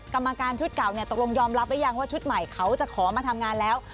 กรรมการชุดเก่าตกลงยอมรับหรือยังว่าชุดใหม่เขาจะขอมาทำงานแล้ว